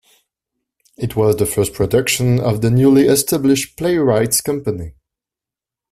It was the first production of the newly established Playwrights' Company.